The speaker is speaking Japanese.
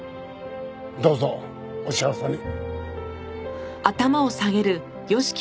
どうぞお幸せに。